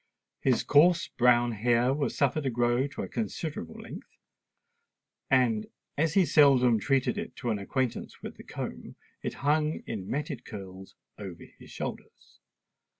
His coarse brown hair was suffered to grow to a considerable length; and, as he seldom treated it to an acquaintance with the comb, it hung in matted curls over his shoulders.